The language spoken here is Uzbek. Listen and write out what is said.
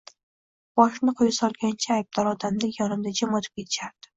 Boshini quyi solgancha, aybdor odamdek yonimdan jim o`tib ketishardi